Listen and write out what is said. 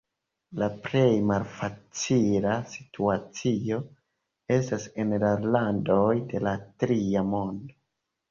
La plej malfacila situacio estas en la landoj de la Tria Mondo.